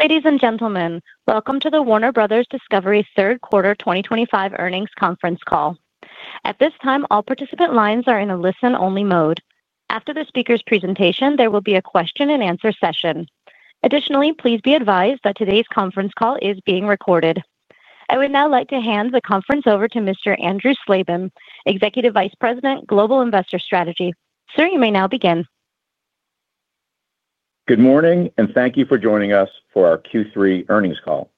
Ladies and gentlemen, welcome to the Warner Bros. Discovery Q3 2025 earnings conference call. At this time, all participant lines are in a listen-only mode. After the speaker's presentation, there will be a question-and-answer session. Additionally, please be advised that today's conference call is being recorded. I would now like to hand the conference over to Mr. Andrew Slabin, Executive Vice President, Global Investor Strategy. Sir, you may now begin. Good morning, and thank you for joining us for our Q3 earnings call.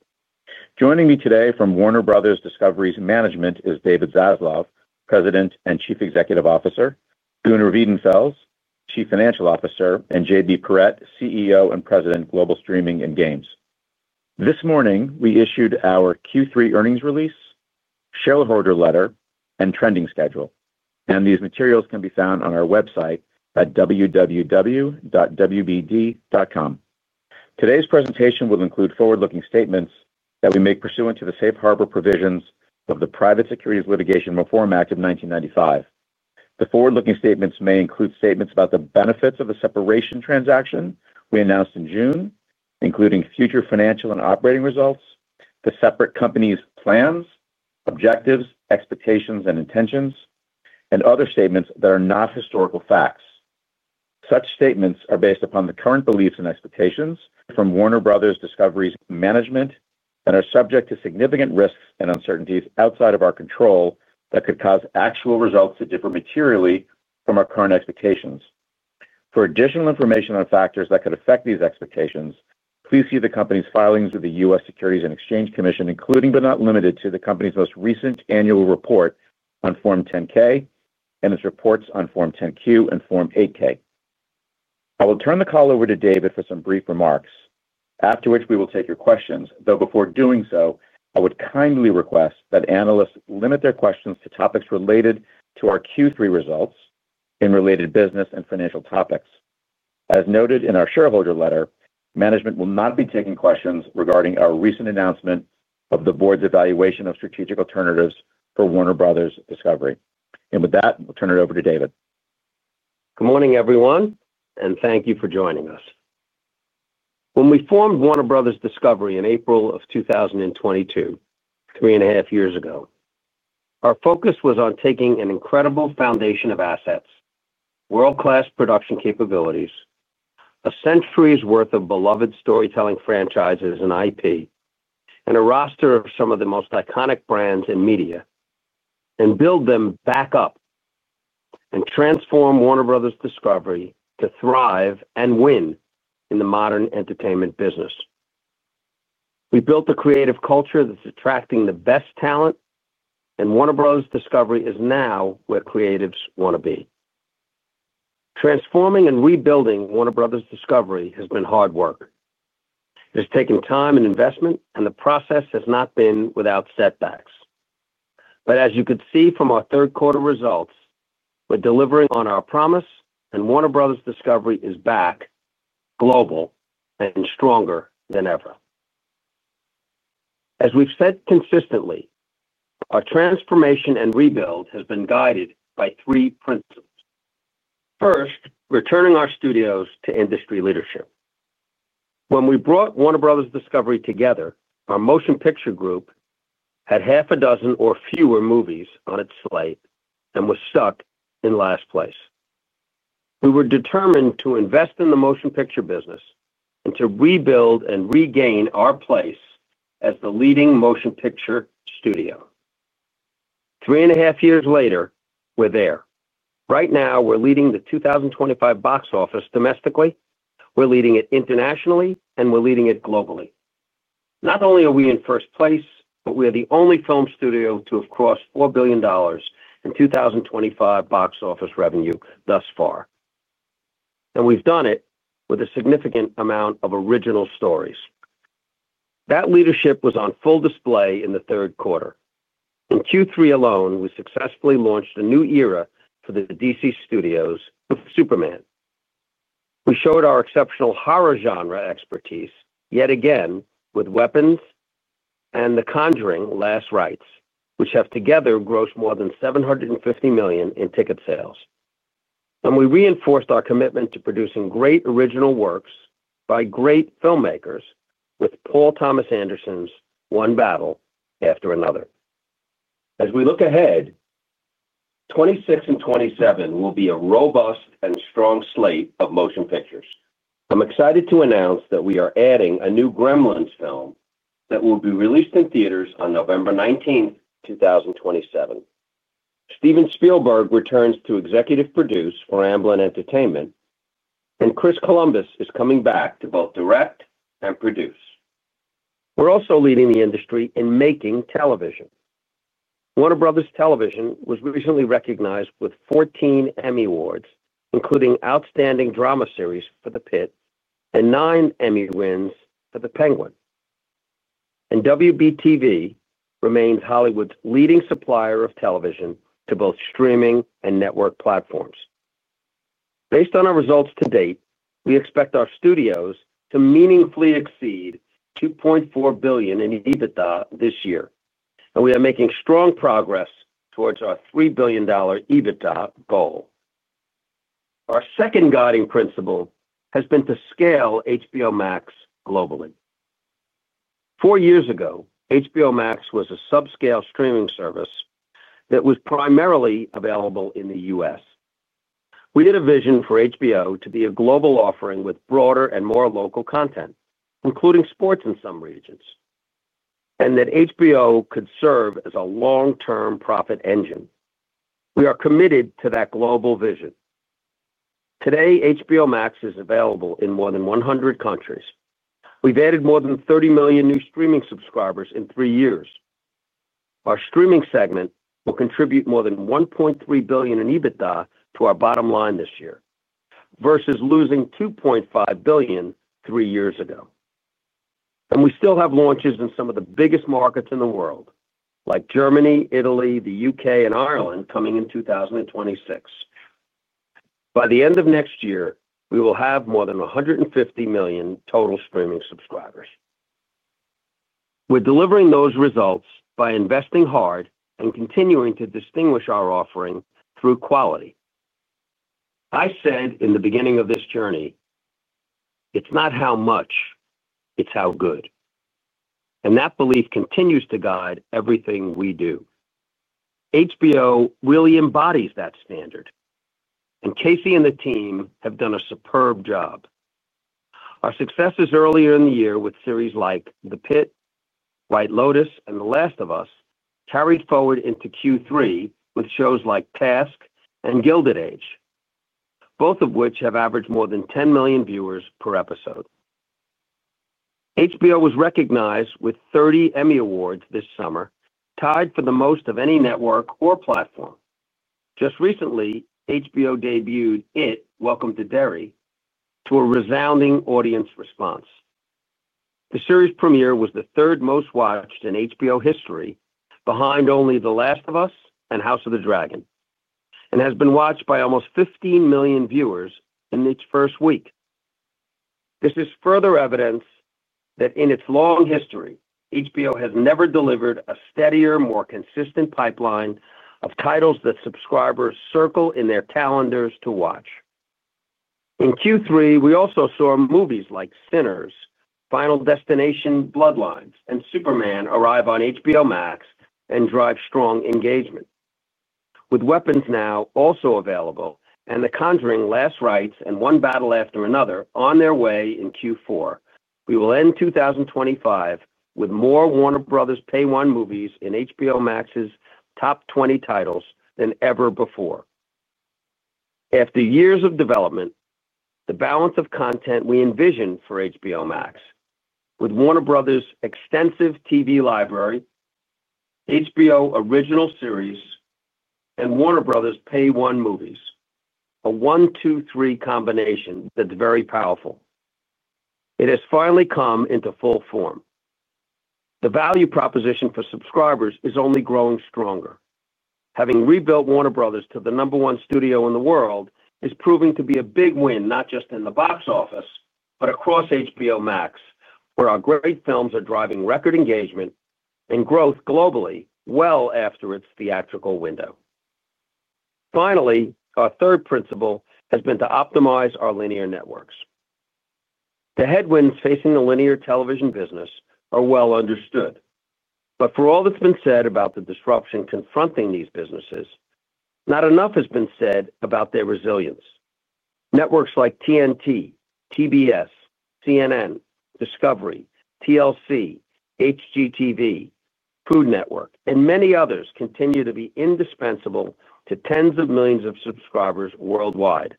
Joining me today from Warner Bros. Discovery's management is David Zaslav, President and Chief Executive Officer; Gunnar Wiedenfels, Chief Financial Officer; and JB Perrette, CEO and President, Global Streaming and Games. This morning, we issued our Q3 earnings release, shareholder letter, and trending schedule, and these materials can be found on our website at www.wbd.com. Today's presentation will include forward-looking statements that we make pursuant to the safe harbor provisions of the Private Securities Litigation Reform Act of 1995. The forward-looking statements may include statements about the benefits of the separation transaction we announced in June, including future financial and operating results, the separate companies' plans, objectives, expectations, and intentions, and other statements that are not historical facts. Such statements are based upon the current beliefs and expectations from Warner Bros. Discovery's management and are subject to significant risks and uncertainties outside of our control that could cause actual results that differ materially from our current expectations. For additional information on factors that could affect these expectations, please see the company's filings with the U.S. Securities and Exchange Commission, including but not limited to the company's most recent annual report on Form 10-K and its reports on Form 10-Q and Form 8-K. I will turn the call over to David for some brief remarks, after which we will take your questions, though before doing so, I would kindly request that analysts limit their questions to topics related to our Q3 results and related business and financial topics. As noted in our shareholder letter, management will not be taking questions regarding our recent announcement of the board's evaluation of strategic alternatives for Warner Bros. Discovery. With that, I'll turn it over to David. Good morning, everyone, and thank you for joining us. When we formed Warner Bros. Discovery in April of 2022, three and a half years ago, our focus was on taking an incredible foundation of assets, world-class production capabilities, a century's worth of beloved storytelling franchises and IP, and a roster of some of the most iconic brands and media, and build them back up. Transform Warner Bros. Discovery to thrive and win in the modern entertainment business. We built a creative culture that's attracting the best talent, and Warner Bros. Discovery is now where creatives want to be. Transforming and rebuilding Warner Bros. Discovery has been hard work. It has taken time and investment, and the process has not been without setbacks. As you could see from our third quarter results, we're delivering on our promise, and Warner Bros. Discovery is back. Global and stronger than ever. As we've said consistently, our transformation and rebuild has been guided by three principles. First, returning our studios to industry leadership. When we brought Warner Bros. Discovery together, our motion picture group had half a dozen or fewer movies on its slate and was stuck in last place. We were determined to invest in the motion picture business and to rebuild and regain our place as the leading motion picture studio. Three and a half years later, we're there. Right now, we're leading the 2025 box office domestically, we're leading it internationally, and we're leading it globally. Not only are we in first place, but we are the only film studio to have crossed $4 billion in 2025 box office revenue thus far. We've done it with a significant amount of original stories. That leadership was on full display in the third quarter. In Q3 alone, we successfully launched a new era for the DC Studios with Superman. We showed our exceptional horror genre expertise yet again with Weapons and The Conjuring: Last Rites, which have together grossed more than $750 million in ticket sales. We reinforced our commitment to producing great original works by great filmmakers with Paul Thomas Anderson's One Battle After Another. As we look ahead, 2026 and 2027 will be a robust and strong slate of motion pictures. I'm excited to announce that we are adding a new Gremlins film that will be released in theaters on November 19, 2027. Steven Spielberg returns to executive produce for Amblin Entertainment. Chris Columbus is coming back to both direct and produce. We're also leading the industry in making television. Warner Bros. Television was recently recognized with 14 Emmy Awards, including Outstanding Drama Series for The Pitt and nine Emmy wins for The Penguin. WBTV remains Hollywood's leading supplier of television to both streaming and network platforms. Based on our results to date, we expect our studios to meaningfully exceed $2.4 billion in EBITDA this year, and we are making strong progress towards our $3 billion EBITDA goal. Our second guiding principle has been to scale HBO Max globally. Four years ago, HBO Max was a subscale streaming service that was primarily available in the U.S. We did a vision for HBO to be a global offering with broader and more local content, including sports in some regions. That HBO could serve as a long-term profit engine. We are committed to that global vision. Today, HBO Max is available in more than 100 countries. We've added more than 30 million new streaming subscribers in three years. Our streaming segment will contribute more than $1.3 billion in EBITDA to our bottom line this year, versus losing $2.5 billion three years ago. We still have launches in some of the biggest markets in the world, like Germany, Italy, the U.K., and Ireland, coming in 2026. By the end of next year, we will have more than 150 million total streaming subscribers. We're delivering those results by investing hard and continuing to distinguish our offering through quality. I said in the beginning of this journey, "It's not how much, it's how good." That belief continues to guide everything we do. HBO really embodies that standard. Casey and the team have done a superb job. Our successes earlier in the year with series like The Pitt, White Lotus, and The Last of Us carried forward into Q3 with shows like Task and Gilded Age, both of which have averaged more than 10 million viewers per episode. HBO was recognized with 30 Emmy Awards this summer, tied for the most of any network or platform. Just recently, HBO debuted It, Welcome to Derry, to a resounding audience response. The series premiere was the third most watched in HBO history, behind only The Last of Us and House of the Dragon, and has been watched by almost 15 million viewers in its first week. This is further evidence that in its long history, HBO has never delivered a steadier, more consistent pipeline of titles that subscribers circle in their calendars to watch. In Q3, we also saw movies like Sinners, Final Destination: Bloodlines, and Superman arrive on HBO Max and drive strong engagement. With Weapons now also available and The Conjuring: Last Rites and One Battle After Another on their way in Q4, we will end 2025 with more Warner Bros. Pay-One movies in HBO Max's top 20 titles than ever before. After years of development, the balance of content we envisioned for HBO Max, with Warner Bros.' extensive TV library, HBO original series, and Warner Bros. Pay-One movies, a one, two, three combination that's very powerful. It has finally come into full form. The value proposition for subscribers is only growing stronger. Having rebuilt Warner Bros. to the number one studio in the world is proving to be a big win, not just in the box office, but across HBO Max, where our great films are driving record engagement and growth globally well after its theatrical window. Finally, our third principle has been to optimize our linear networks. The headwinds facing the linear television business are well understood. For all that's been said about the disruption confronting these businesses, not enough has been said about their resilience. Networks like TNT, TBS, CNN, Discovery, TLC, HGTV, Food Network, and many others continue to be indispensable to tens of millions of subscribers worldwide,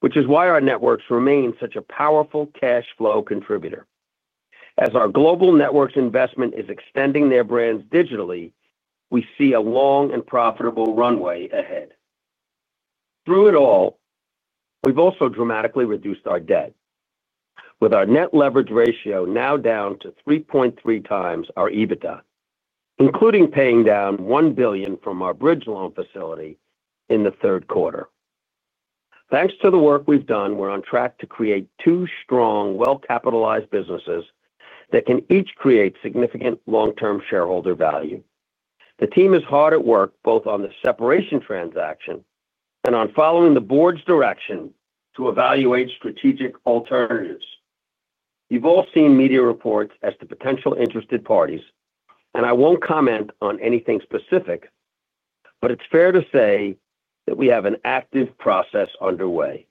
which is why our networks remain such a powerful cash flow contributor. As our global networks investment is extending their brands digitally, we see a long and profitable runway ahead. Through it all. We've also dramatically reduced our debt, with our net leverage ratio now down to 3.3x our EBITDA, including paying down $1 billion from our bridge loan facility in the third quarter. Thanks to the work we've done, we're on track to create two strong, well-capitalized businesses that can each create significant long-term shareholder value. The team is hard at work both on the separation transaction and on following the board's direction to evaluate strategic alternatives. You've all seen media reports as to potential interested parties, and I won't comment on anything specific. It is fair to say that we have an active process underway.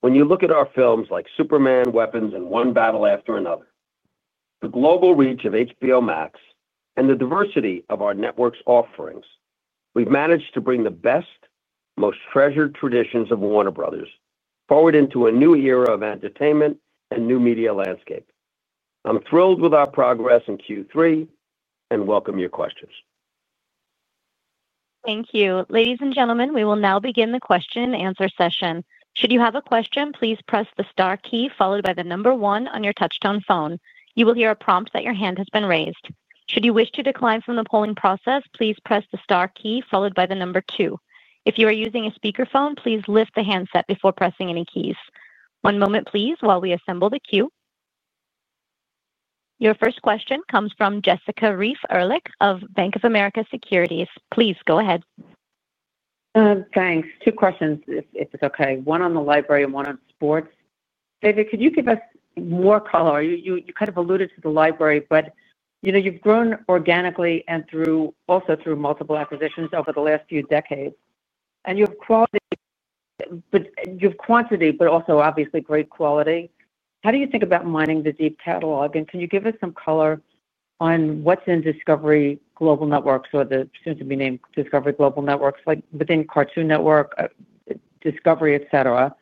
When you look at our films like Superman, Weapons, and One Battle After Another, the global reach of HBO Max, and the diversity of our network's offerings, we've managed to bring the best, most treasured traditions of Warner Bros. forward into a new era of entertainment and new media landscape. I'm thrilled with our progress in Q3 and welcome your questions. Thank you. Ladies and gentlemen, we will now begin the question-and-answer session. Should you have a question, please press the star key followed by the number one on your touch-tone phone. You will hear a prompt that your hand has been raised. Should you wish to decline from the polling process, please press the star key followed by the number two. If you are using a speakerphone, please lift the handset before pressing any keys. One moment, please, while we assemble the queue. Your first question comes from Jessica Reif Ehrlich of Bank of America Securities. Please go ahead. Thanks. Two questions, if it's okay. One on the library and one on sports. David, could you give us more color? You kind of alluded to the library, but you've grown organically and also through multiple acquisitions over the last few decades. And you have quantity, but also obviously great quality. How do you think about mining the deep catalog? Can you give us some color on what's in Discovery Global Networks, or the soon-to-be-named Discovery Global Networks, like within Cartoon Network, Discovery, et cetera?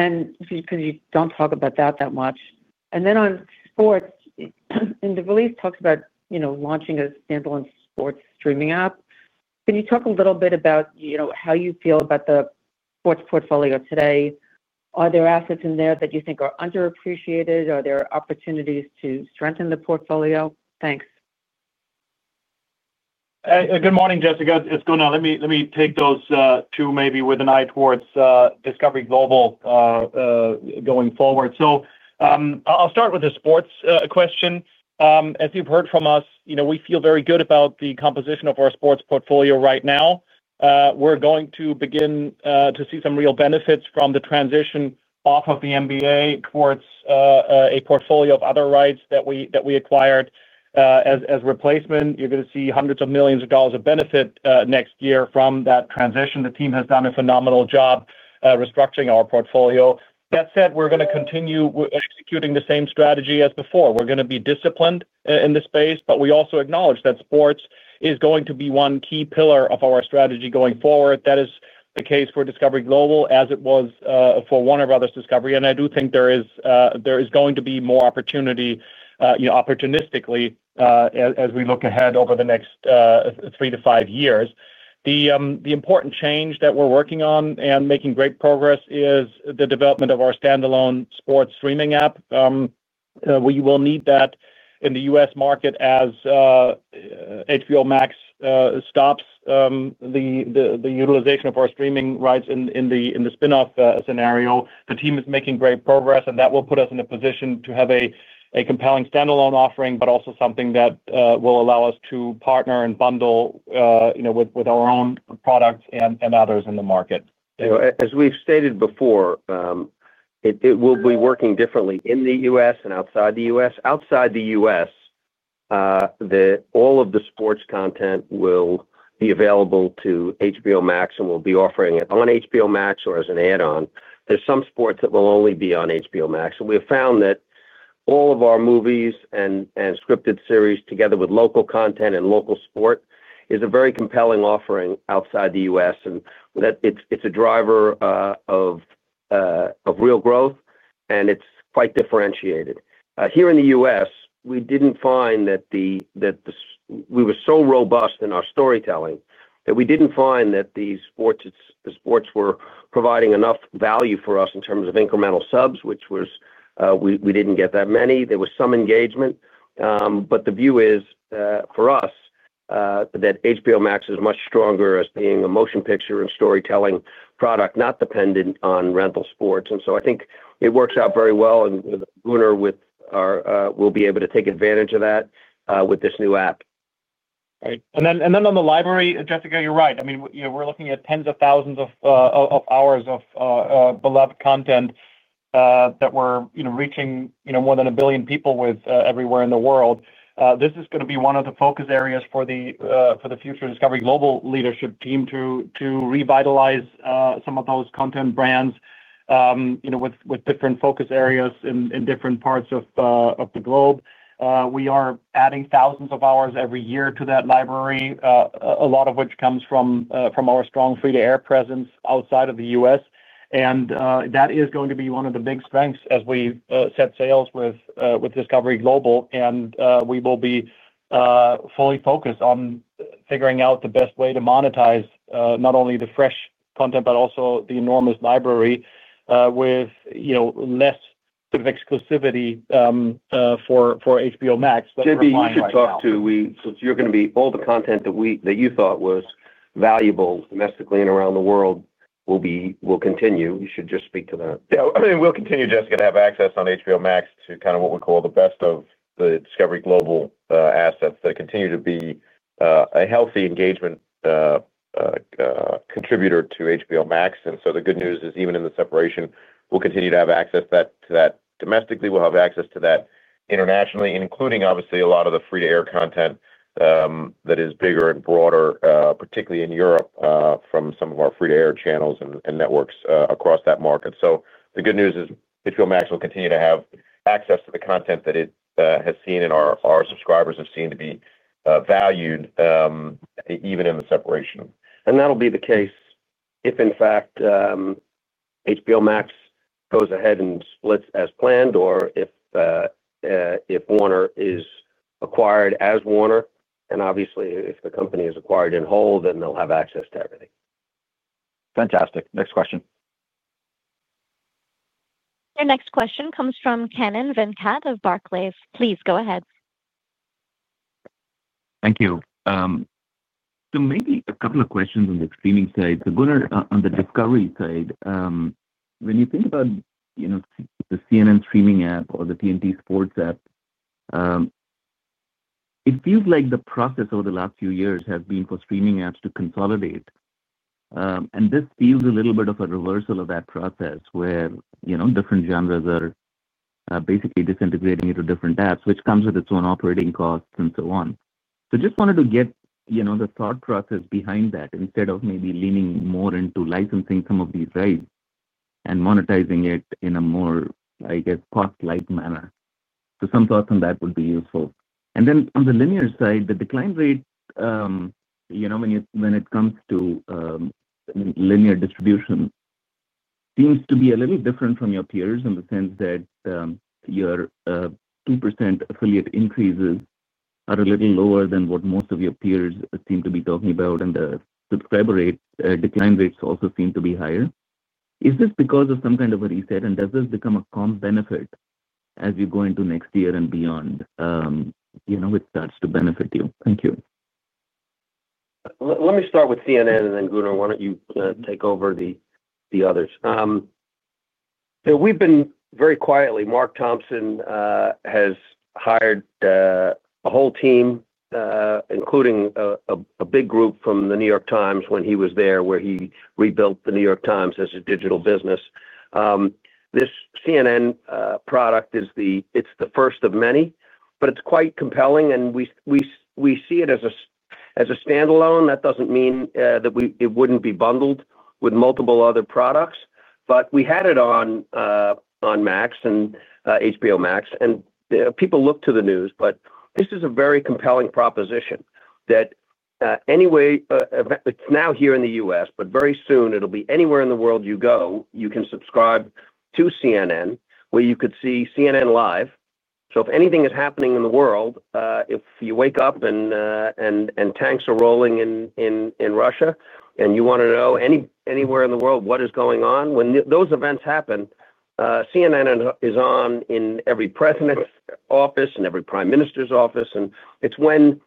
You don't talk about that that much. On sports, the release talks about launching a standalone sports streaming app. Can you talk a little bit about how you feel about the sports portfolio today? Are there assets in there that you think are underappreciated? Are there opportunities to strengthen the portfolio? Thanks. Good morning, Jessica. It's good. Let me take those two maybe with an eye towards Discovery Global going forward. I'll start with a sports question. As you've heard from us, we feel very good about the composition of our sports portfolio right now. We're going to begin to see some real benefits from the transition off of the NBA towards a portfolio of other rights that we acquired. As replacement, you're going to see hundreds of millions of dollars of benefit next year from that transition. The team has done a phenomenal job restructuring our portfolio. That said, we're going to continue executing the same strategy as before. We're going to be disciplined in this space, but we also acknowledge that sports is going to be one key pillar of our strategy going forward. That is the case for Discovery Global, as it was for Warner Bros. Discovery. I do think there is going to be more opportunity. Opportunistically, as we look ahead over the next three to five years. The important change that we're working on and making great progress is the development of our standalone sports streaming app. We will need that in the U.S. market as HBO Max stops the utilization of our streaming rights in the spinoff scenario. The team is making great progress, and that will put us in a position to have a compelling standalone offering, but also something that will allow us to partner and bundle with our own products and others in the market. As we've stated before, it will be working differently in the U.S. and outside the U.S. Outside the U.S., all of the sports content will be available to HBO Max and will be offering it on HBO Max or as an add-on. There is some sports that will only be on HBO Max. We have found that all of our movies and scripted series, together with local content and local sport, is a very compelling offering outside the U.S., and it is a driver of real growth, and it is quite differentiated. Here in the U.S., we did not find that the—we were so robust in our storytelling that we did not find that these sports were providing enough value for us in terms of incremental subs, which—we did not get that many. There was some engagement. The view is for us. That HBO Max is much stronger as being a motion picture and storytelling product, not dependent on rental sports. I think it works out very well, and Gunnar will be able to take advantage of that with this new app. Right. On the library, Jessica, you're right. I mean, we're looking at tens of thousands of hours of beloved content that we're reaching more than a billion people with everywhere in the world. This is going to be one of the focus areas for the future Discovery Global leadership team to revitalize some of those content brands, with different focus areas in different parts of the globe. We are adding thousands of hours every year to that library, a lot of which comes from our strong free-to-air presence outside of the U.S. That is going to be one of the big strengths as we set sails with Discovery Global. We will be fully focused on figuring out the best way to monetize not only the fresh content, but also the enormous library with less exclusivity for HBO Max. JB, you should talk too. You are going to be all the content that you thought was valuable domestically and around the world will continue. You should just speak to them. Yeah. We will continue, Jessica, to have access on HBO Max to kind of what we call the best of the Discovery Global assets that continue to be a healthy engagement contributor to HBO Max. The good news is, even in the separation, we will continue to have access to that domestically. We will have access to that internationally, including obviously a lot of the free-to-air content that is bigger and broader, particularly in Europe, from some of our free-to-air channels and networks across that market. The good news is HBO Max will continue to have access to the content that it has seen and our subscribers have seen to be valued, even in the separation. That'll be the case if, in fact, HBO Max goes ahead and splits as planned, or if Warner is acquired as Warner. Obviously, if the company is acquired in whole, then they'll have access to everything. Fantastic. Next question. Your next question comes from Kannan Venkat of Barclays. Please go ahead. Thank you. Maybe a couple of questions on the streaming side. Gunnar, on the Discovery side, when you think about the CNN streaming app or the TNT Sports app, it feels like the process over the last few years has been for streaming apps to consolidate. This feels a little bit of a reversal of that process where different genres are basically disintegrating into different apps, which comes with its own operating costs and so on. I just wanted to get the thought process behind that instead of maybe leaning more into licensing some of these rights and monetizing it in a more, I guess, cost-like manner. Some thoughts on that would be useful. On the linear side, the decline rate when it comes to linear distribution seems to be a little different from your peers in the sense that. Your 2% affiliate increases are a little lower than what most of your peers seem to be talking about, and the subscriber rate decline rates also seem to be higher. Is this because of some kind of a reset, and does this become a common benefit as you go into next year and beyond? It starts to benefit you? Thank you. Let me start with CNN, and then Gunnar, why don't you take over the others? So we've been very quietly. Mark Thompson has hired a whole team, including a big group from The New York Times when he was there, where he rebuilt The New York Times as a digital business. This CNN product, it's the first of many, but it's quite compelling, and we see it as a standalone. That doesn't mean that it wouldn't be bundled with multiple other products. We had it on Max, and HBO Max, and people look to the news, but this is a very compelling proposition that. Anyway. It's now here in the U.S., but very soon it'll be anywhere in the world you go, you can subscribe to CNN, where you could see CNN Live. So if anything is happening in the world, if you wake up and tanks are rolling in Russia, and you want to know anywhere in the world what is going on, when those events happen, CNN is on in every president's office and every prime minister's office. It is when,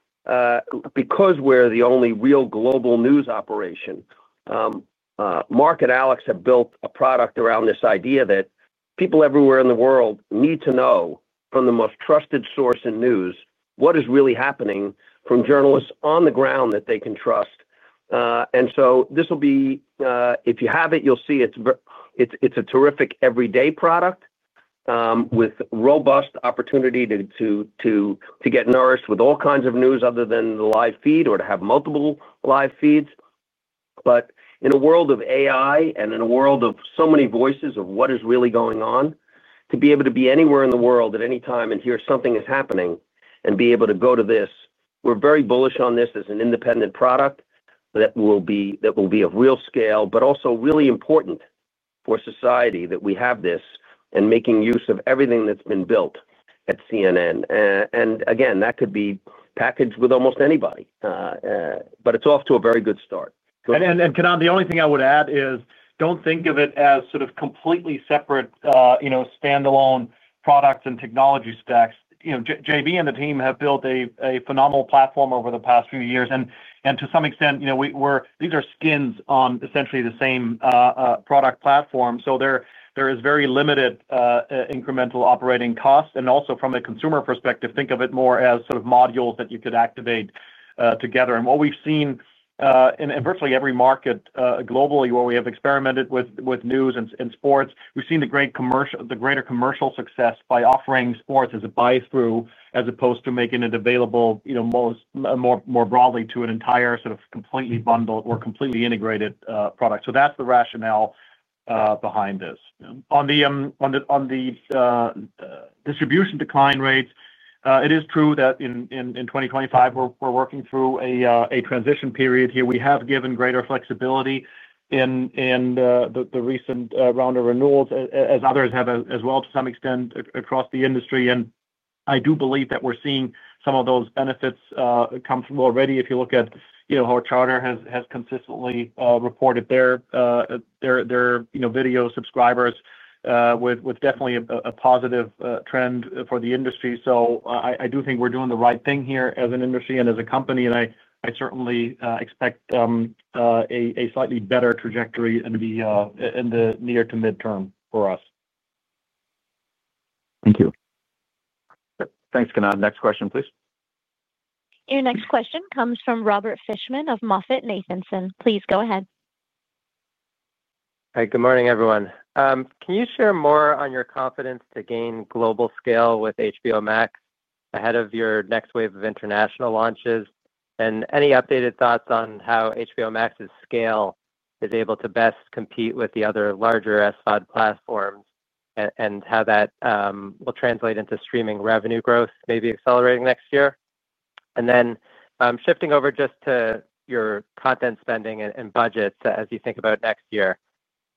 because we're the only real global news operation. Mark and Alex have built a product around this idea that people everywhere in the world need to know from the most trusted source in news what is really happening from journalists on the ground that they can trust. This will be, if you have it, you'll see it's a terrific everyday product. With robust opportunity to get nourished with all kinds of news other than the live feed or to have multiple live feeds. In a world of AI and in a world of so many voices of what is really going on, to be able to be anywhere in the world at any time and hear something is happening and be able to go to this, we're very bullish on this as an independent product that will be of real scale, but also really important for society that we have this and making use of everything that's been built at CNN. Again, that could be packaged with almost anybody. It is off to a very good start. Kannan, the only thing I would add is do not think of it as sort of completely separate standalone products and technology stacks. JB and the team have built a phenomenal platform over the past few years. To some extent, these are skins on essentially the same product platform. There is very limited incremental operating costs. Also, from a consumer perspective, think of it more as sort of modules that you could activate together. What we have seen in virtually every market globally where we have experimented with news and sports, we have seen greater commercial success by offering sports as a buy-through as opposed to making it available more broadly to an entire sort of completely bundled or completely integrated product. That is the rationale behind this. On the distribution decline rates, it is true that in 2025, we are working through a transition period here. We have given greater flexibility in the recent round of renewals, as others have as well to some extent across the industry. I do believe that we're seeing some of those benefits come through already. If you look at how Charter has consistently reported their video subscribers, definitely a positive trend for the industry. I do think we're doing the right thing here as an industry and as a company. I certainly expect a slightly better trajectory in the near to midterm for us. Thank you. Thanks, Kannan. Next question, please. Your next question comes from Robert Fishman of MoffettNathanson. Please go ahead. Hey, good morning, everyone. Can you share more on your confidence to gain global scale with HBO Max ahead of your next wave of international launches? Any updated thoughts on how HBO Max's scale is able to best compete with the other larger SVOD platforms and how that will translate into streaming revenue growth maybe accelerating next year? Shifting over just to your content spending and budgets as you think about next year,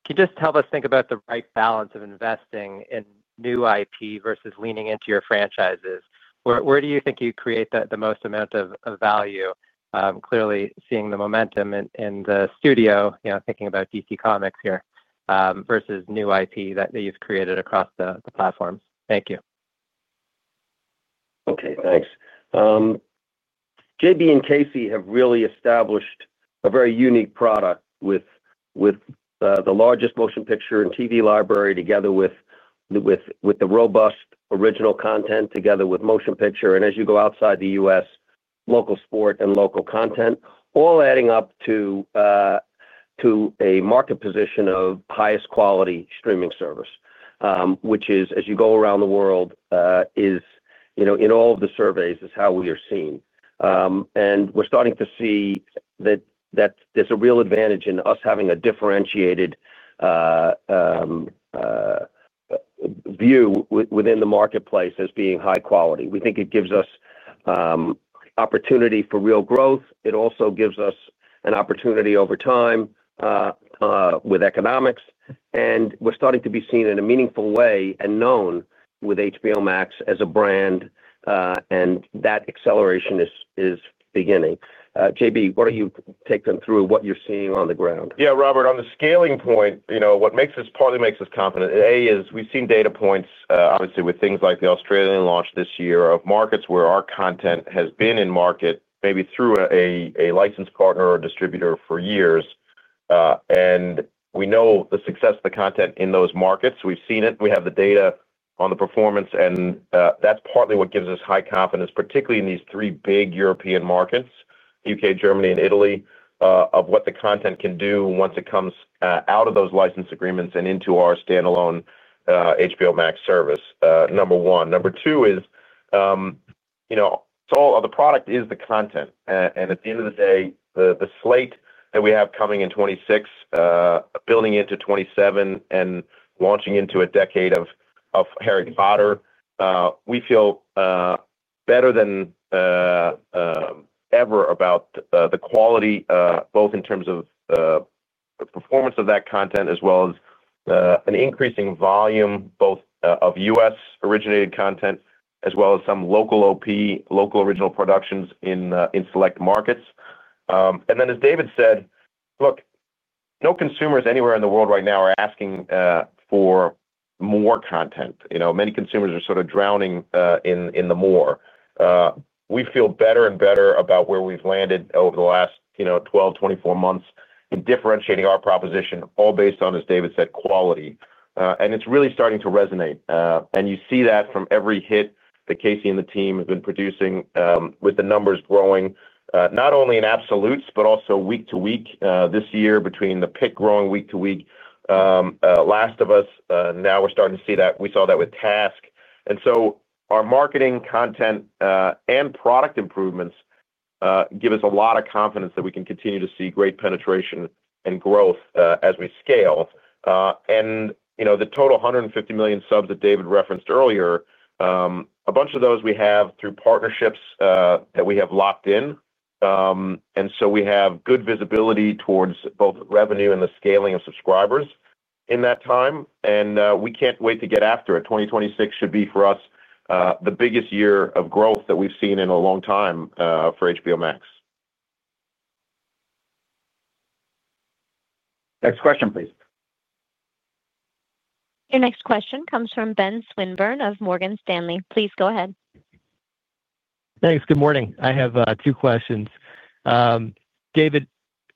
can you just help us think about the right balance of investing in new IP versus leaning into your franchises? Where do you think you create the most amount of value, clearly seeing the momentum in the studio, thinking about DC Comics here, versus new IP that you've created across the platforms? Thank you. Okay, thanks. JB and Casey have really established a very unique product with the largest motion picture and TV library together with the robust original content together with motion picture. As you go outside the U.S., local sport and local content all adding up to a market position of highest quality streaming service, which is, as you go around the world, in all of the surveys, is how we are seen. We're starting to see that there's a real advantage in us having a differentiated view within the marketplace as being high quality. We think it gives us opportunity for real growth. It also gives us an opportunity over time with economics. We're starting to be seen in a meaningful way and known with HBO Max as a brand. That acceleration is beginning. JB, why don't you take them through what you're seeing on the ground? Yeah, Robert, on the scaling point, what partly makes us confident, A, is we've seen data points, obviously, with things like the Australian launch this year of markets where our content has been in market maybe through a licensed partner or distributor for years. We know the success of the content in those markets. We've seen it. We have the data on the performance. That's partly what gives us high confidence, particularly in these three big European markets, U.K., Germany, and Italy, of what the content can do once it comes out of those license agreements and into our standalone HBO Max service, number one. Number two is the product is the content. At the end of the day, the slate that we have coming in 2026, building into 2027 and launching into a decade of Harry Potter, we feel better than ever about the quality, both in terms of the performance of that content as well as an increasing volume both of U.S. originated content as well as some local OP, local original productions in select markets. As David said, look, no consumers anywhere in the world right now are asking for more content. Many consumers are sort of drowning in the more. We feel better and better about where we've landed over the last 12-24 months in differentiating our proposition, all based on, as David said, quality. It's really starting to resonate. Tou see that from every hit that Casey and the team have been producing with the numbers growing, not only in absolutes but also week to week this year between the pick growing week to week. Last of Us, now we're starting to see that. We saw that with Task. Our marketing content and product improvements give us a lot of confidence that we can continue to see great penetration and growth as we scale. The total 150 million subs that David referenced earlier, a bunch of those we have through partnerships that we have locked in. We have good visibility towards both revenue and the scaling of subscribers in that time. We cannot wait to get after it. 2026 should be for us the biggest year of growth that we have seen in a long time for HBO Max. Next question, please. Your next question comes from Ben Swinburne of Morgan Stanley. Please go ahead. Thanks. Good morning. I have two questions. David,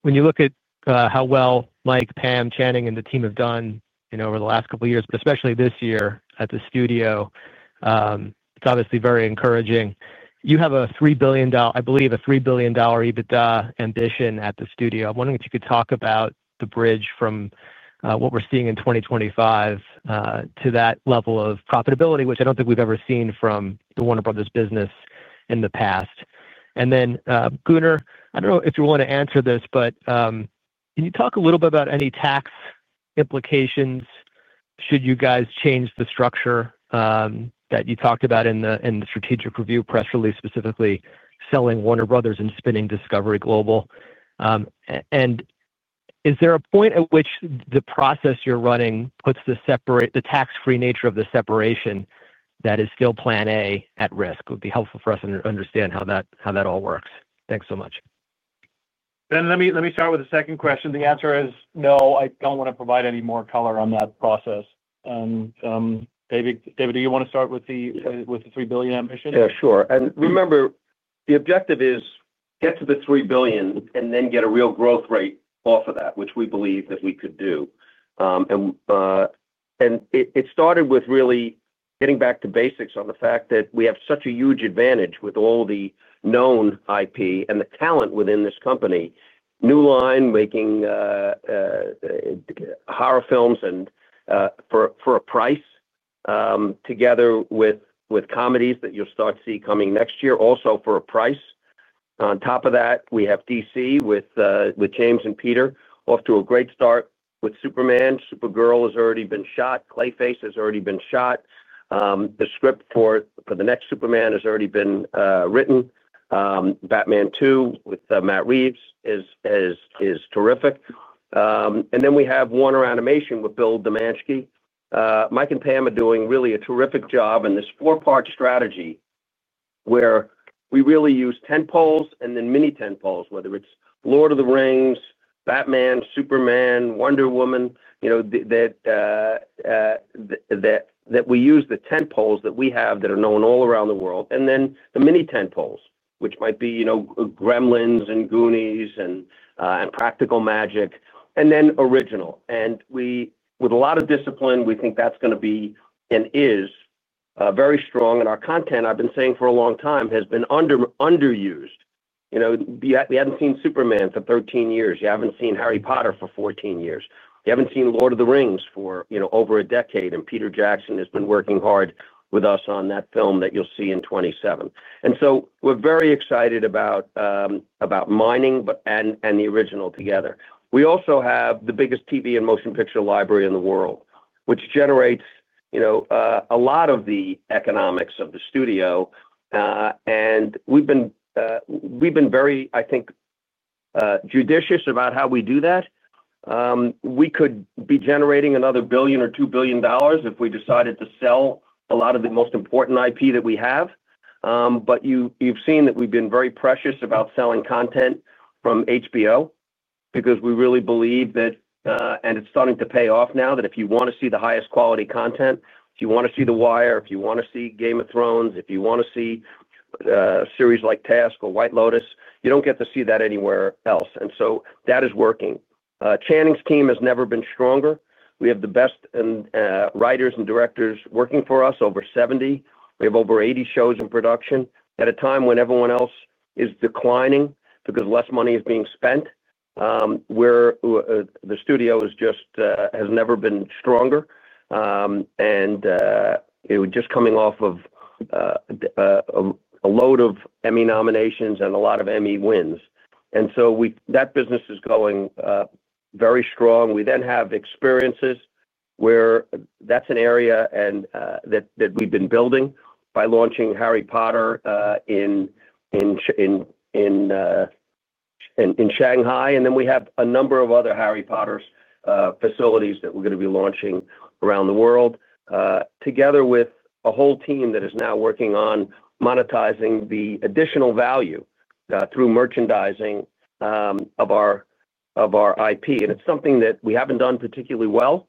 when you look at how well Mike, Pam, Channing, and the team have done over the last couple of years, but especially this year at the studio, it's obviously very encouraging. You have a $3 billion, I believe, a $3 billion EBITDA ambition at the studio. I'm wondering if you could talk about the bridge from what we're seeing in 2025 to that level of profitability, which I don't think we've ever seen from the Warner Bros. business in the past. Then, Gunnar, I don't know if you want to answer this, but can you talk a little bit about any tax implications should you guys change the structure that you talked about in the strategic review press release, specifically selling Warner Bros. and spinning Discovery Global? Is there a point at which the process you're running puts the tax-free nature of the separation that is still plan A at risk? It would be helpful for us to understand how that all works. Thanks so much. Let me start with the second question. The answer is no. I don't want to provide any more color on that process. David, do you want to start with the $3 billion ambition? Yeah, sure. Remember, the objective is to get to the $3 billion and then get a real growth rate off of that, which we believe that we could do. It started with really getting back to basics on the fact that we have such a huge advantage with all the known IP and the talent within this company. New Line making horror films for a price, together with comedies that you'll start to see coming next year, also for a price. On top of that, we have DC with James and Peter off to a great start with Superman. Supergirl has already been shot. Clayface has already been shot. The script for the next Superman has already been written. Batman 2 with Matt Reeves is terrific. We have Warner Animation with Bill Damaschke. Mike and Pam are doing really a terrific job in this four-part strategy. Where we really use tentpoles and then mini tentpoles, whether it's Lord of the Rings, Batman, Superman, Wonder Woman. That. We use the tentpoles that we have that are known all around the world. The mini tentpoles, which might be Gremlins and Goonies and Practical Magic, and then original. With a lot of discipline, we think that's going to be and is very strong. Our content, I've been saying for a long time, has been underused. We haven't seen Superman for 13 years. You haven't seen Harry Potter for 14 years. You haven't seen Lord of the Rings for over a decade. Peter Jackson has been working hard with us on that film that you'll see in 2027. We are very excited about mining and the original together. We also have the biggest TV and motion picture library in the world, which generates. A lot of the economics of the studio. And we've been very, I think, judicious about how we do that. We could be generating another $1 billion or $2 billion if we decided to sell a lot of the most important IP that we have. But you've seen that we've been very precious about selling content from HBO because we really believe that. And it's starting to pay off now that if you want to see the highest quality content, if you want to see The Wire, if you want to see Game of Thrones, if you want to see a series like Task or White Lotus, you don't get to see that anywhere else. And so that is working. Channing's team has never been stronger. We have the best writers and directors working for us, over 70. We have over 80 shows in production at a time when everyone else is declining because less money is being spent. The studio has never been stronger. It was just coming off of a load of Emmy nominations and a lot of Emmy wins. That business is going very strong. We then have experiences where that's an area that we've been building by launching Harry Potter in Shanghai. We have a number of other Harry Potter facilities that we're going to be launching around the world. Together with a whole team that is now working on monetizing the additional value through merchandising of our IP. It's something that we haven't done particularly well.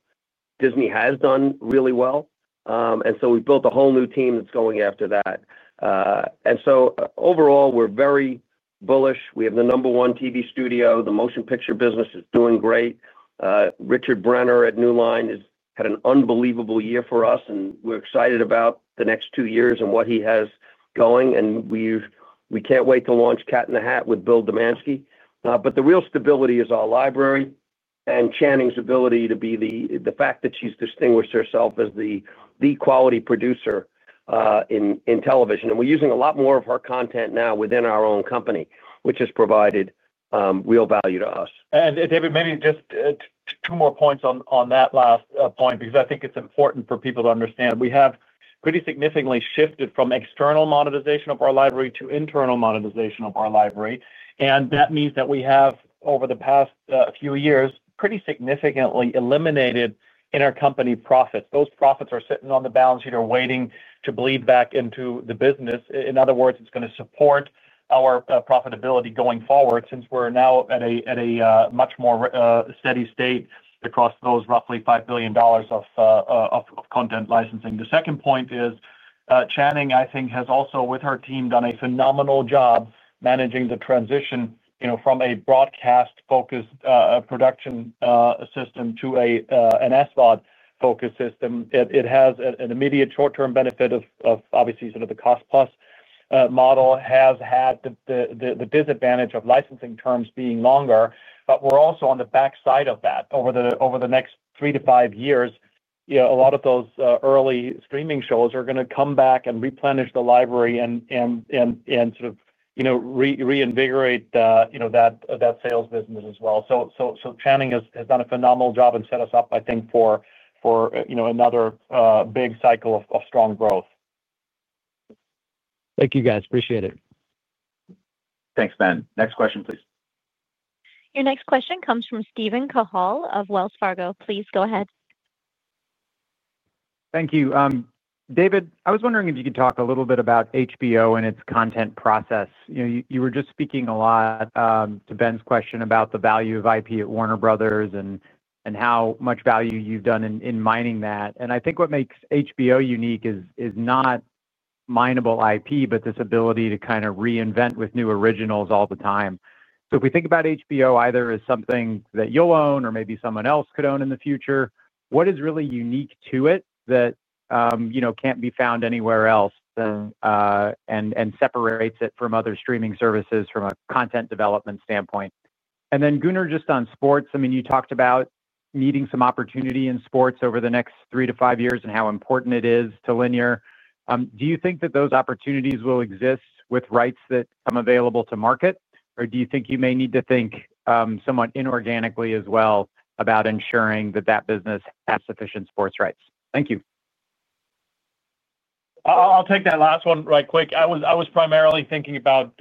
Disney has done really well. We've built a whole new team that's going after that. Overall, we're very bullish. We have the number one TV studio. The motion picture business is doing great. Richard Brener at New Line has had an unbelievable year for us. We are excited about the next two years and what he has going. We cannot wait to launch Cat in the Hat with Bill Damaschke. The real stability is our library and Channing's ability to be the fact that she has distinguished herself as the quality producer in television. We are using a lot more of her content now within our own company, which has provided real value to us. David, maybe just two more points on that last point because I think it's important for people to understand. We have pretty significantly shifted from external monetization of our library to internal monetization of our library. That means that we have, over the past few years, pretty significantly eliminated intercompany profits. Those profits are sitting on the balance sheet or waiting to bleed back into the business. In other words, it's going to support our profitability going forward since we're now at a much more steady state across those roughly $5 billion of content licensing. The second point is, Channing, I think, has also, with her team, done a phenomenal job managing the transition from a broadcast-focused production system to an SVOD-focused system. It has an immediate short-term benefit of, obviously, sort of the cost-plus model. It has had the disadvantage of licensing terms being longer, but we're also on the backside of that. Over the next three to five years, a lot of those early streaming shows are going to come back and replenish the library and sort of reinvigorate that sales business as well. Channing has done a phenomenal job and set us up, I think, for another big cycle of strong growth. Thank you, guys. Appreciate it. Thanks, Ben. Next question, please. Your next question comes from Steven Cahall of Wells Fargo. Please go ahead. Thank you. David, I was wondering if you could talk a little bit about HBO and its content process. You were just speaking a lot to Ben's question about the value of IP at Warner Bros. and how much value you've done in mining that. I think what makes HBO unique is not minable IP, but this ability to kind of reinvent with new originals all the time. If we think about HBO either as something that you'll own or maybe someone else could own in the future, what is really unique to it that can't be found anywhere else and separates it from other streaming services from a content development standpoint? Then, Gunnar, just on sports, I mean, you talked about needing some opportunity in sports over the next three to five years and how important it is to Linear. Do you think that those opportunities will exist with rights that come available to market, or do you think you may need to think somewhat inorganically as well about ensuring that that business has sufficient sports rights? Thank you. I'll take that last one right quick. I was primarily thinking about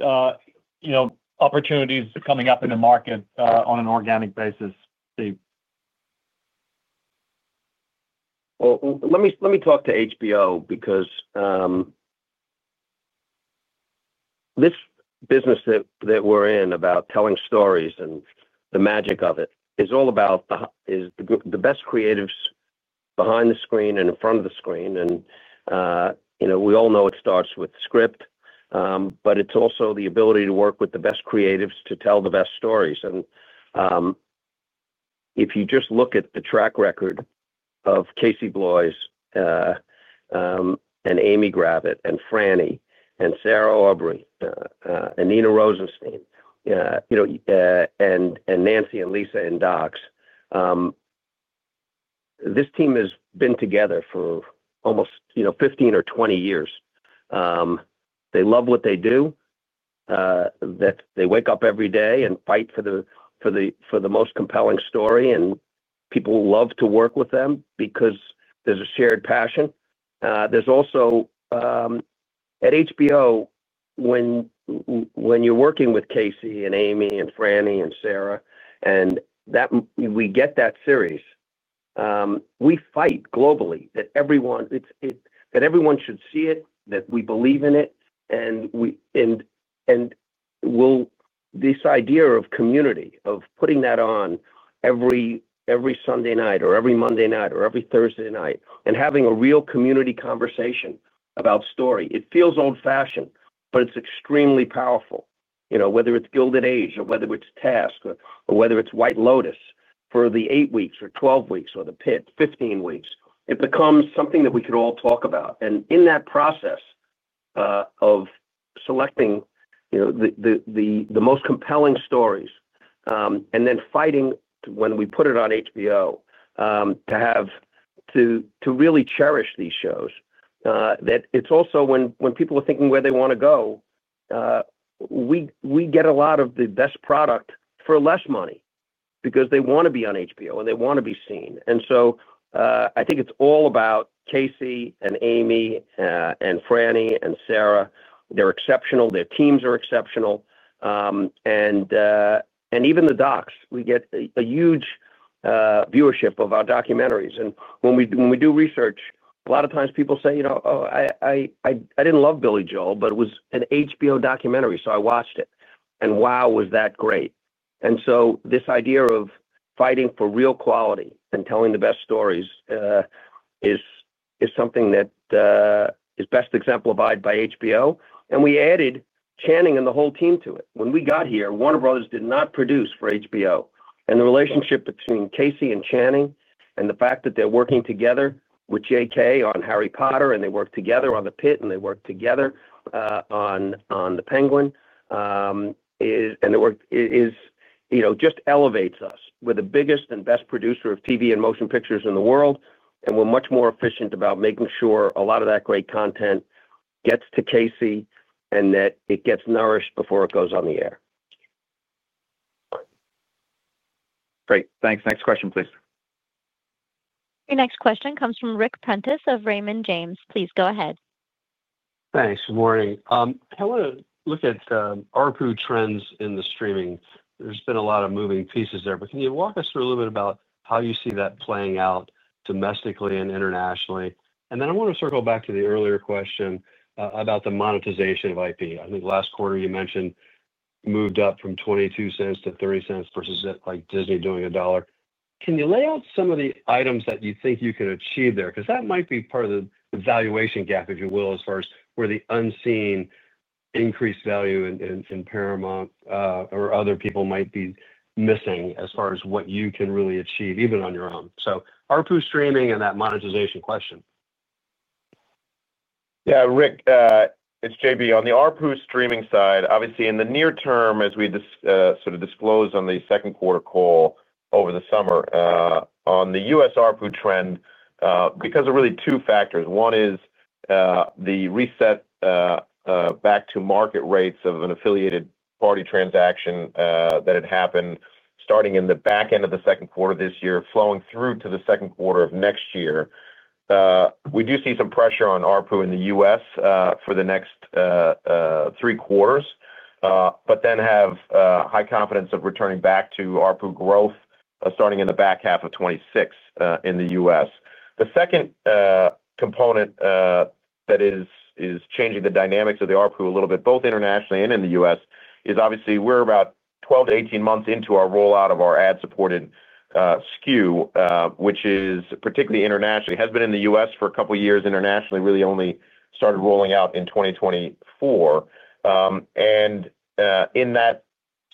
opportunities coming up in the market on an organic basis. Let me talk to HBO because this business that we're in about telling stories and the magic of it is all about the best creatives behind the screen and in front of the screen. We all know it starts with script, but it's also the ability to work with the best creatives to tell the best stories. If you just look at the track record of Casey Bloys and Amy Gravitt and Franny and Sarah Aubrey and Nina Rosenstein and Nancy and Lisa and Docs, this team has been together for almost 15 or 20 years. They love what they do. They wake up every day and fight for the most compelling story. People love to work with them because there's a shared passion. There's also, at HBO, when you're working with Casey and Amy and Franny and Sarah, and. We get that series, we fight globally that everyone should see it, that we believe in it, and, this idea of community, of putting that on every Sunday night or every Monday night or every Thursday night and having a real community conversation about story. It feels old-fashioned, but it's extremely powerful. Whether it's Gilded Age or whether it's Task or whether it's White Lotus for the 8 weeks or 12 weeks or the 15 weeks, it becomes something that we could all talk about. In that process of selecting the most compelling stories and then fighting when we put it on HBO to really cherish these shows, that it's also when people are thinking where they want to go. We get a lot of the best product for less money because they want to be on HBO and they want to be seen. I think it's all about Casey and Amy and Franny and Sarah. They're exceptional. Their teams are exceptional. Even the Docs, we get a huge viewership of our documentaries. When we do research, a lot of times people say, "Oh. I didn't love Billy Joel, but it was an HBO documentary, so I watched it. And wow, was that great." This idea of fighting for real quality and telling the best stories is something that is best exemplified by HBO. We added Channing and the whole team to it. When we got here, Warner Bros. did not produce for HBO. The relationship between Casey and Channing and the fact that they're working together with JK on Harry Potter and they work together on The Pit and they work together on The Penguin just elevates us. We're the biggest and best producer of TV and motion pictures in the world, and we're much more efficient about making sure a lot of that great content gets to Casey and that it gets nourished before it goes on the air. Great. Thanks. Next question, please. Your next question comes from Ric Prentiss of Raymond James. Please go ahead. Thanks. Good morning. I want to look at ARPU trends in the streaming. There's been a lot of moving pieces there. Can you walk us through a little bit about how you see that playing out domestically and internationally? I want to circle back to the earlier question about the monetization of IP. I think last quarter you mentioned moved up from $0.22 to $0.30 versus Disney doing $1. Can you lay out some of the items that you think you can achieve there? That might be part of the valuation gap, if you will, as far as where the unseen increased value in Paramount or other people might be missing as far as what you can really achieve, even on your own. ARPU streaming and that monetization question. Yeah. Ric, it's JB. On the ARPU streaming side, obviously, in the near term, as we sort of disclosed on the second quarter call over the summer, on the U.S. ARPU trend, because of really two factors. One is the reset back-to-market rates of an affiliated party transaction that had happened starting in the back end of the second quarter this year, flowing through to the second quarter of next year. We do see some pressure on ARPU in the U.S. for the next three quarters, but then have high confidence of returning back to ARPU growth starting in the back half of 2026 in the U.S. The second component that is changing the dynamics of the ARPU a little bit, both internationally and in the U.S., is obviously we're about 12-18 months into our rollout of our ad-supported SKU, which is particularly internationally. It has been in the U.S. for a couple of years. Internationally, really only started rolling out in 2024. In that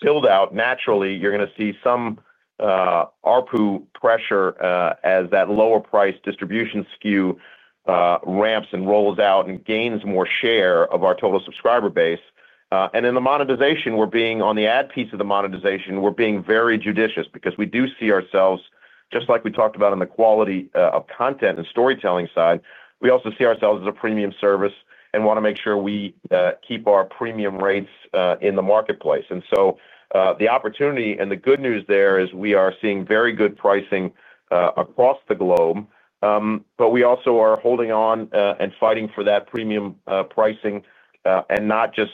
build-out, naturally, you're going to see some ARPU pressure as that lower-priced distribution SKU ramps and rolls out and gains more share of our total subscriber base. In the monetization, we're being, on the ad piece of the monetization, we're being very judicious because we do see ourselves, just like we talked about in the quality of content and storytelling side, we also see ourselves as a premium service and want to make sure we keep our premium rates in the marketplace. The opportunity and the good news there is we are seeing very good pricing across the globe, but we also are holding on and fighting for that premium pricing and not just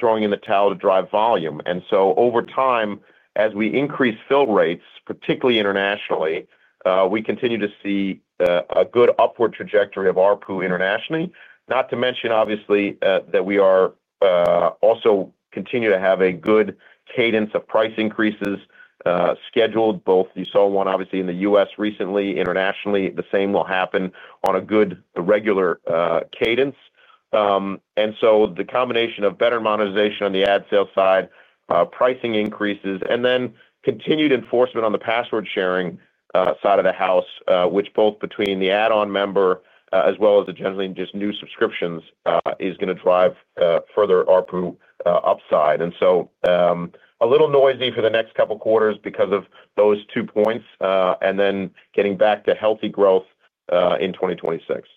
throwing in the towel to drive volume. Over time, as we increase fill rates, particularly internationally, we continue to see a good upward trajectory of ARPU internationally, not to mention, obviously, that we are also continuing to have a good cadence of price increases scheduled. You saw one, obviously, in the U.S. recently. Internationally, the same will happen on a good regular cadence. The combination of better monetization on the ad sale side, pricing increases, and then continued enforcement on the password-sharing side of the house, which both between the add-on member as well as the generally just new subscriptions, is going to drive further ARPU upside. It will be a little noisy for the next couple of quarters because of those two points and then getting back to healthy growth in 2026.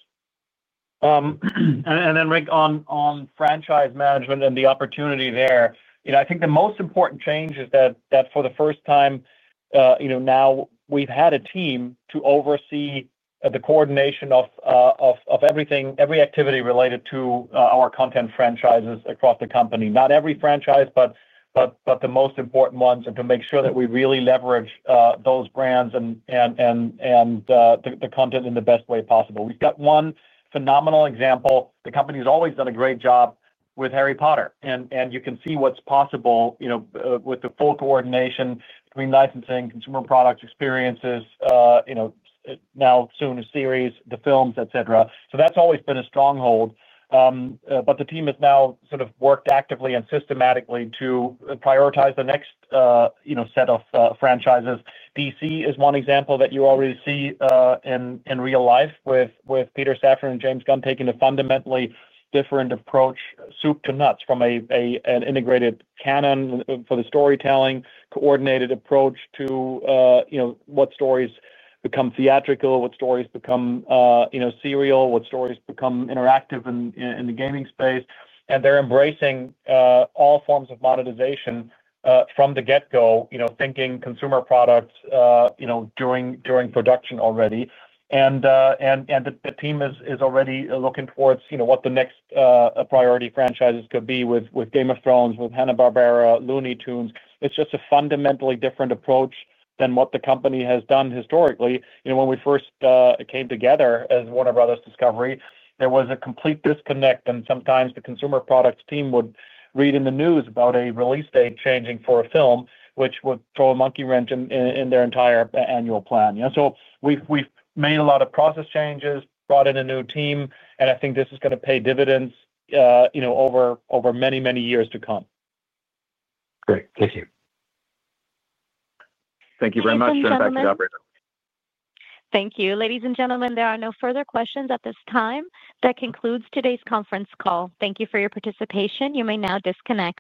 Ric, on franchise management and the opportunity there, I think the most important change is that for the first time, we've had a team to oversee the coordination of every activity related to our content franchises across the company. Not every franchise, but the most important ones, are to make sure that we really leverage those brands and the content in the best way possible. We've got one phenomenal example. The company has always done a great job with Harry Potter, and you can see what's possible with the full coordination between licensing, consumer product experiences, now soon a series, the films, etc. That has always been a stronghold. The team has now sort of worked actively and systematically to prioritize the next set of franchises. DC is one example that you already see in real life with Peter Safran and James Gunn taking a fundamentally different approach, soup to nuts, from an integrated canon for the storytelling, coordinated approach to what stories become theatrical, what stories become serial, what stories become interactive in the gaming space. They are embracing all forms of monetization from the get-go, thinking consumer products during production already. The team is already looking towards what the next priority franchises could be with Game of Thrones, with Hannah Barbera, Looney Tunes. It is just a fundamentally different approach than what the company has done historically. When we first came together as Warner Bros. Discovery, there was a complete disconnect. Sometimes the consumer products team would read in the news about a release date changing for a film, which would throw a monkey wrench in their entire annual plan. We've made a lot of process changes, brought in a new team, and I think this is going to pay dividends over many, many years to come. Great. Thank you. Thank you very much. Thank you. Thank you, ladies and gentlemen. There are no further questions at this time. That concludes today's conference call. Thank you for your participation. You may now disconnect.